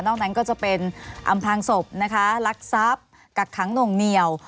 นั้นก็จะเป็นอำพลางศพนะคะลักทรัพย์กักขังหน่วงเหนียว